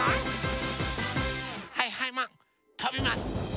はいはいマンとびます！